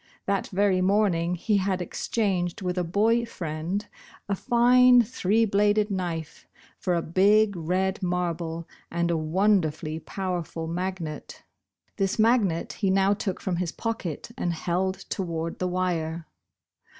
That very morning he had exchanged with a boy friend a line three bladed knife for a big red marble and a wonderfully powerful magnet. This magnet he now took from his pocket, and held toward the wire.